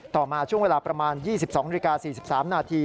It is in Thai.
ต่อมาช่วงเวลาประมาณ๒๒๔๓น